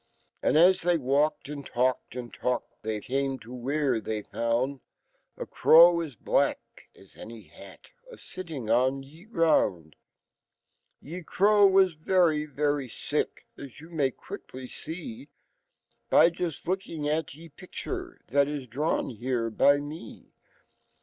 And as they walked, and talkedand talked, fhey came towh re fhey A Crow as black as any hat, a sitting on y e ground . found Y e C row was very, very sick, as you may quickly see By just looking at y e picture th* i$ drawn h re by n\e.